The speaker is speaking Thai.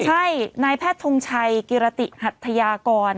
ใช่นายแพทย์ทงชัยกิรติหัทยากร